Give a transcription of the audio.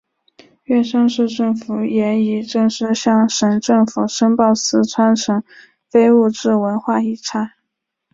乐山市政府也已正式向省政府申报四川省非物质文化遗产。